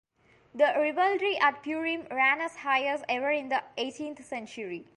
The revelry at Purim ran as high as ever in the eighteenth century.